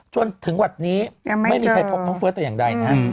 จนถึงวันนี้ไม่มีใครพบน้องเฟิร์สแต่อย่างใดนะฮะ